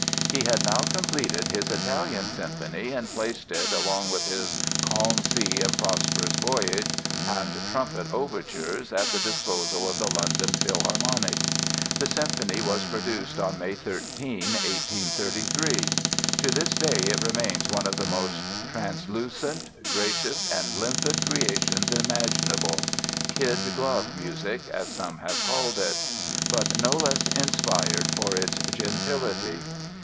He had now completed his "Italian" Symphony and placed it, along with his "Calm Sea and Prosperous Voyage" and "Trumpet" Overtures at the disposal of the London Philharmonic. The Symphony was produced on May 13, 1833. To this day it remains one of the most translucent, gracious and limpid creations imaginable—"kid glove music", as some have called it, but no less inspired for its gentility.